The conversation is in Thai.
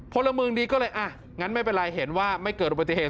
พลเมืองดีก็เลยอ่ะงั้นไม่เป็นไรเห็นว่าไม่เกิดอุบัติเหตุ